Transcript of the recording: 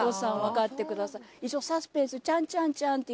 一応サスペンス。